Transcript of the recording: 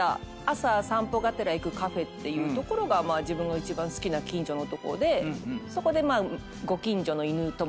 朝散歩がてら行くカフェっていう所が自分の一番好きな近所のとこでそこでまあ。